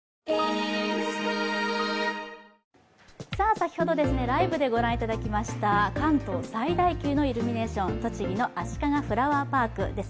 先ほどライブで御覧いただきました関東最大級のイルミネーション、栃木のあしかがフラワーパークです。